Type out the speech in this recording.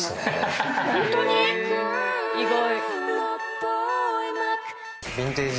意外。